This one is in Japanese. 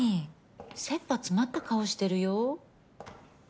せっぱ詰まった顔してるよ。